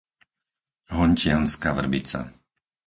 Hontianska Vrbica